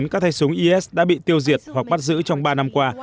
các tay súng is đã bị tiêu diệt hoặc bắt giữ trong ba năm qua